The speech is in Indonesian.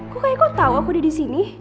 kok kak iko tau aku udah disini